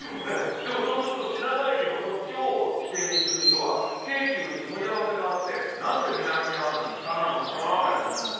でもそうすると品川駅のこっちを起点にする人は京急に問い合わせがあって何で南にあるのに北なの？っていうのがあったりするんですよ。